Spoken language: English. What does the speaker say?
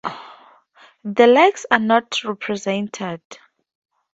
The legs are not represented.